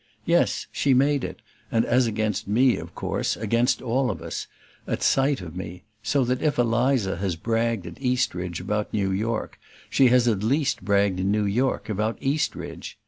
Yes, she made it, and as against me, of course, against all of us, at sight of me; so that if Eliza has bragged at Eastridge about New York, she has at least bragged in New York about Eastridge.